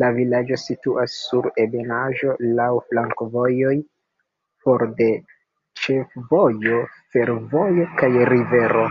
La vilaĝo situas sur ebenaĵo, laŭ flankovojoj, for de ĉefvojo, fervojo kaj rivero.